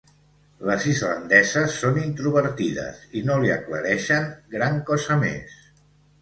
Les islandeses són introvertides i no li aclareixen gran cosa més.